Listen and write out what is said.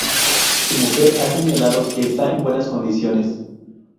Su mujer ha señalado que está en buenas condiciones.